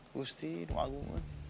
gusti lu agung